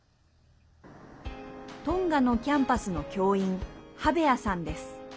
トンガのキャンパスの教員ハベアさんです。